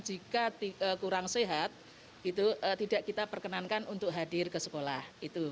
jika kurang sehat tidak kita perkenankan untuk hadir ke sekolah